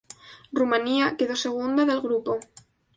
Rumanía quedó segunda del grupo.